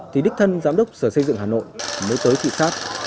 thì đích thân giám đốc sở xây dựng hà nội mới tới trị sát